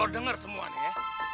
eh lo denger semua nih ya